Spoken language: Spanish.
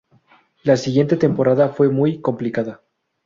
La siguiente temporada fue muy complicada.